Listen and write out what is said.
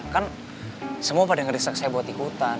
kan semua pada ngedesak saya buat ikutan